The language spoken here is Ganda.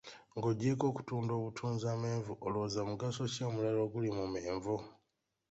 Ng'oggyeeko okutunda obutunzi amenvu olowooza mugaso ki omulala oguli mu menvu?